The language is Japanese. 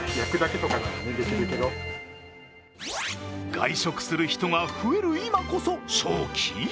外食する人が増える今こそ勝機？